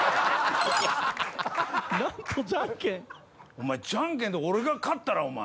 お前ジャンケンで俺が勝ったらお前。